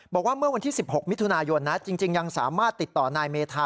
บอกว่าเมื่อวันที่๑๖มิถุนายนจริงยังสามารถติดต่อนายเมธา